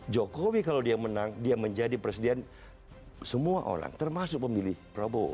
jokowi kalau dia menang dia menjadi presiden semua orang termasuk pemilih prabowo